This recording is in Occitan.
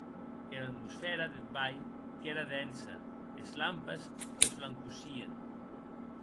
Era atmosfèra deth balh qu’ère densa; es lampes s’esblancossien.